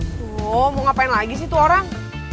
tuh mau ngapain lagi sih tuh orang